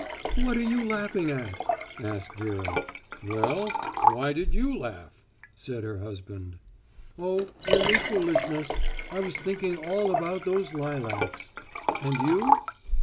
"What are you laughing at?" asked Vera. "Well, why did you laugh?" said her husband. "Oh, only foolishness. I was thinking all about those lilacs. And you?"